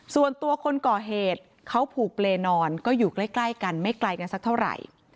ส่วนตัวคนก่อเหตุเขาผูกเปรย์นอนก็อยู่ใกล้กันไม่ไกลกันสักเท่าไหร่